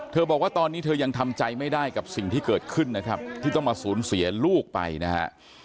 บอกว่าตอนนี้เธอยังทำใจไม่ได้กับสิ่งที่เกิดขึ้นนะครับที่ต้องมาสูญเสียลูกไปนะฮะ